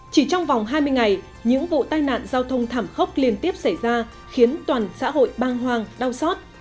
chỉ trong vòng hai mươi ngày những vụ tai nạn giao thông thảm khốc liên tiếp xảy ra khiến toàn xã hội băng hoàng đau xót